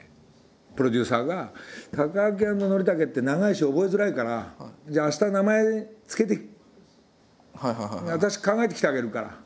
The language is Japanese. プロデューサーが「タカアキアンドノリタケって長いし覚えづらいからじゃあ明日名前付けて私考えてきてあげるから」。